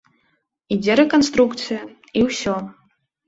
Ідзе рэканструкцыя, і ўсё.